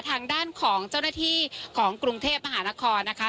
ทางด้านของเจ้าหน้าที่ของกรุงเทพมหานครนะคะ